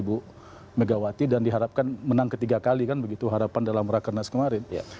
yang sudah dua kali menang kalau kata ibu megawati dan diharapkan menang ketiga kali kan begitu harapan dalam rakernas kemarin